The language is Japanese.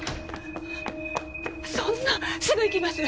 そんなすぐ行きます！